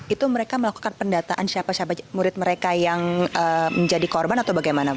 itu mereka melakukan pendataan siapa siapa murid mereka yang menjadi korban atau bagaimana